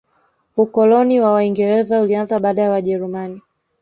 ukoloni wa waingereza ulianza baada ya wajerumani